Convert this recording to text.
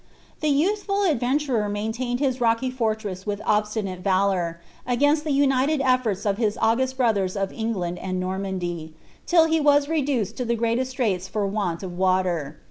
The youthful adventurer maintained his rocky fortress with obstinate valour, against the united efibrts of his august brothers of England and Normandy, till he was reduced to the greatest straits for want of water.